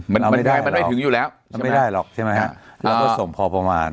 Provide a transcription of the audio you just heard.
มันไม่ได้มันไม่ถึงอยู่แล้วไม่ได้หรอกใช่ไหมเราก็ส่งพอประมาณ